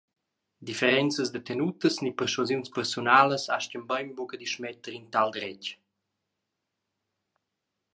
Differenzas da tenutas ni perschuasiuns persunalas astgan bein buca dismetter in tal dretg.